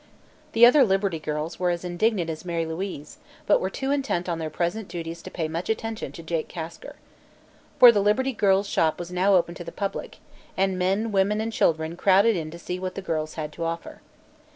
The other Liberty Girls were as indignant as Mary Louise, but were too intent on their present duties to pay much attention to Jake Kasker. For the Liberty Girls' Shop was now open to the public, and men, women and children crowded in to see what the girls had to offer.